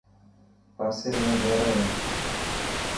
پاسي ۾ گهر هي.